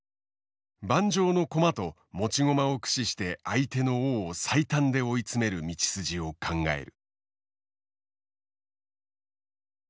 盤上の駒と持ち駒を駆使して相手の王を最短で追い詰める道筋を考える。